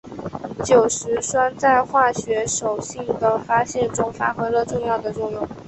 酒石酸在化学手性的发现中发挥了重要的作用。